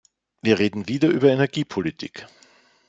Wir reden wieder über Energiepolitik.